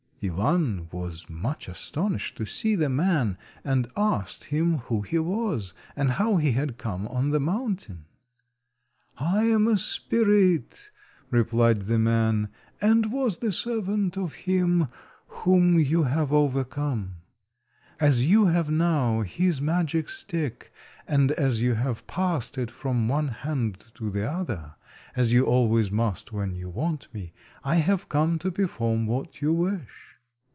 Ivan was much astonished to see the man, and asked him who he was, and how he had come on the mountain. "I am a spirit," replied the man, "and was the servant of him whom you have overcome. As you have now his magic stick, and as you have passed it from one hand to the other, as you always must when you want me, I have come to perform what you wish."